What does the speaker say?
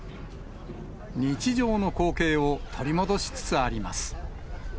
日常の光景を取り戻しつつあります。